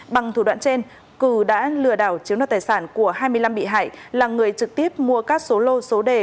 bằng thủ đoạn trên cử đã lừa đảo chiếu nợ tài sản của hai mươi năm bị hại là người trực tiếp mua các số lô số đề